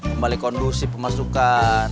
kembali kondusi pemasukan